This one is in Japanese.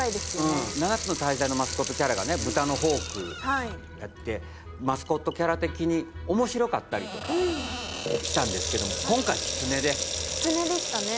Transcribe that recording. うん「七つの大罪」のマスコットキャラがねブタのホークやってマスコットキャラ的に面白かったりとかしたんですけども今回キツネでキツネでしたね